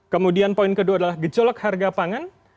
kemudian poin kedua adalah gejolak harga pangan